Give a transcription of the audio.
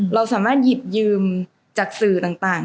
เราสามารถหยิบยืมจากสื่อต่าง